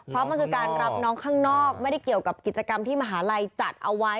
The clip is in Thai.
เพราะมันคือการรับน้องข้างนอกไม่ได้เกี่ยวกับกิจกรรมที่มหาลัยจัดเอาไว้